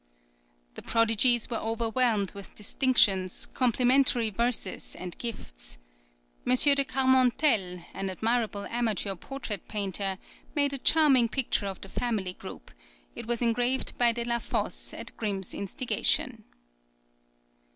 The prodigies were overwhelmed with distinctions, complimentary verses, and gifts. M. de Carmontelle, an admirable amateur portrait painter, made a charming picture of the family group;[20025] it was engraved by Delafosse at Grimm's instigation.